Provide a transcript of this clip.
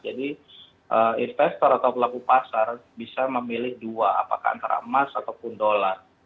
jadi investor atau pelaku pasar bisa memilih dua apakah antara emas ataupun dolar